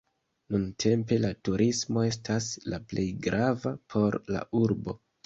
Nuntempe la turismo estas la plej grava por la urbo.